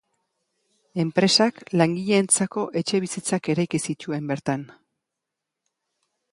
Enpresak langileentzako etxebizitzak eraiki zituen bertan.